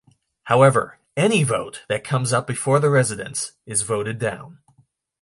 However, any vote that comes up before the residents is voted down.